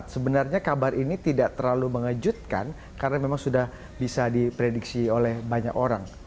sebenarnya kabar ini tidak terlalu mengejutkan karena memang sudah bisa diprediksi oleh banyak orang